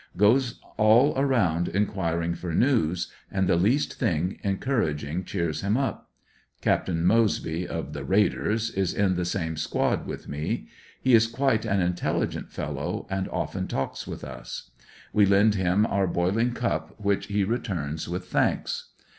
Goes all around enquiring for news, and the least thiug encouraging cheers him up. i. apt. Moseby, uf the raiders, is in the same squad with me. He is quite an intelli gent fellow and often talks with us. We lend him our boiling cup which he returns with thanks.